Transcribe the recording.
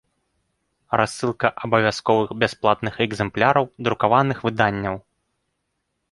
Рассылка абавязковых бясплатных экзэмпляраў друкаваных выданняў